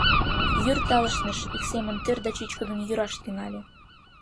Йӱр талышныш, ик семын тӧр да чӱчкыдын йӱраш тӱҥале.